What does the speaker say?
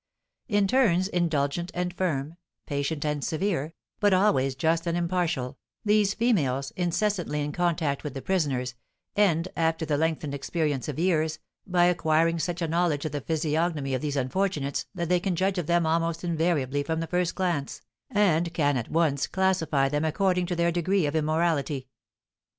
In turns indulgent and firm, patient and severe, but always just and impartial, these females, incessantly in contact with the prisoners, end, after the lengthened experience of years, by acquiring such a knowledge of the physiognomy of these unfortunates that they can judge of them almost invariably from the first glance, and can at once classify them according to their degree of immorality.